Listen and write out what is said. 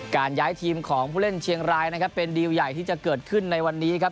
ย้ายทีมของผู้เล่นเชียงรายนะครับเป็นดีลใหญ่ที่จะเกิดขึ้นในวันนี้ครับ